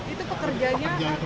itu pekerjanya atau